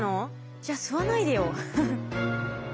じゃあ吸わないでよ。